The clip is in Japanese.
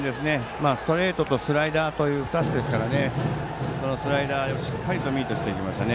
まあ、ストレートとスライダーの２つですからそのスライダーを、しっかりとミートしていきましたね。